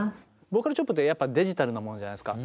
ボーカルチョップってやっぱデジタルなものじゃないすか。